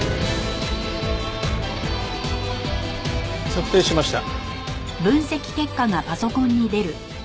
測定しました。